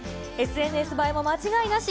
ＳＮＳ映えも間違いなし。